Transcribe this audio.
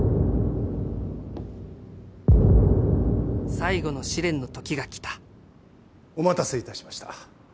最後の試練の時が来たお待たせいたしました。